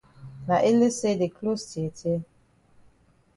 Na ele say the closs tear tear.